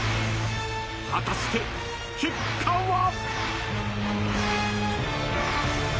［果たして結果は？］